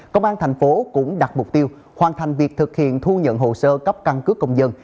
công an thành phố cũng đặt mục tiêu hoàn thành việc thực hiện thu nhận hồ sơ cấp căn cứ công dân